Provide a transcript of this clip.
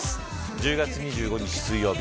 １０月２５日水曜日